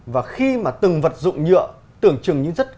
và khi mà từng vật dụng nhựa tưởng chừng những giấc mơ